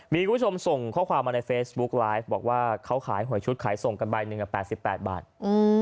มีคุณผู้ชมส่งข้อความมาในเฟซบุ๊กไลฟ์บอกว่าเขาขายหวยชุดขายส่งกันใบหนึ่ง๘๘บาท